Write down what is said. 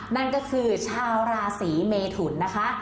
นั่นก็คือชาวราศีเมทุนนะคะ